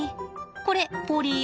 これポリー